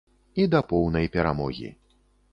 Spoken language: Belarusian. І да поўнай перамогі.